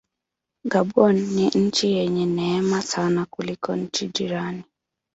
Gabon ni nchi yenye neema sana kuliko nchi jirani.